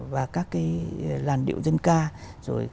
và các cái lời của bài hát thì các cái bài hát mà chúng tôi chọn